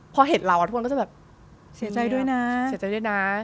พอเห็นเราทุกคนก็จะแบบเสียใจด้วยนะ